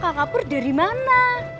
kakak pur dari mana